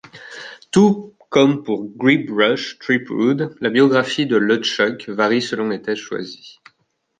Tout comme pour Guybrush Threepwood, la biographie de LeChuck varie selon les thèses choisies.